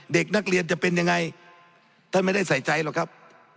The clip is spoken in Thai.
เด็กนักเรียนจะเป็นยังไงท่านไม่ได้ใส่ใจหรอกครับ